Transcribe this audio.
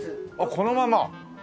このまま。